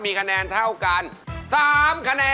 มีคะแนนเท่ากัน๓คะแนน